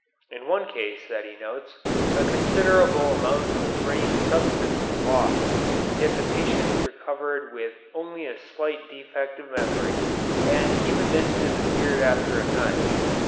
In one case that he notes a considerable amount of brain substance was lost, yet the patient recovered with only a slight defect of memory, and even this disappeared after a time.